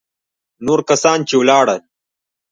نور کسان چې ولاړل.